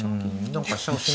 何か飛車。